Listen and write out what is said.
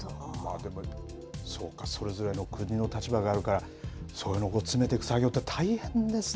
でもそうかそれぞれの国の立場があるからそういうのを詰めていく作業って大変ですね。